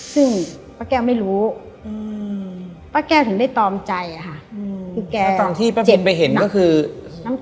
ซึ่งป้าแก้วไม่รู้ป้าแก้วถึงได้ตอมใจอะค่ะ